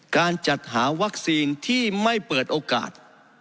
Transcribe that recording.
การจัดหาวัคซีนที่ไม่เปิดโอกาส